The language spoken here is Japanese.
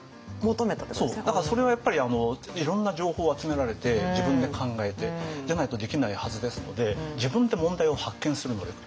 だからそれはやっぱりいろんな情報を集められて自分で考えてじゃないとできないはずですので自分で問題を発見する能力。